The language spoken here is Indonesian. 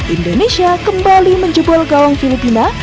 indonesia kembali menjebol gawang filipina